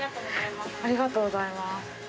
ありがとうございます。